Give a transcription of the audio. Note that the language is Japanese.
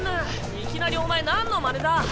いきなりお前なんのまねだ？